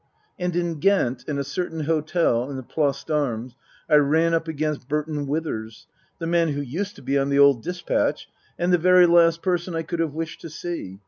And in Ghent, in a certain hotel in the Place d'Armes, I ran up against Burton Withers, the man who used to be on the old Dispatch, and the very last person I could have wished to see.